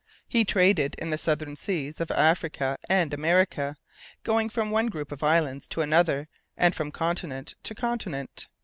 He traded in the southern seas of Africa and America, going from one group of islands to another and from continent to continent.